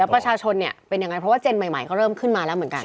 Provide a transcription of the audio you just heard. ประชาชนเนี่ยเป็นยังไงเพราะว่าเจนใหม่ก็เริ่มขึ้นมาแล้วเหมือนกัน